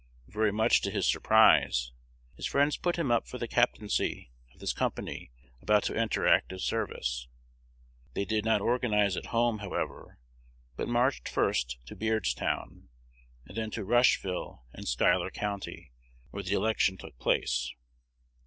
Very much to his surprise, his friends put him up for the captaincy of this company about to enter active service. They did not organize at home, however, but marched first to Beardstown, and then to Rushville in Schuyler County, where the election took place.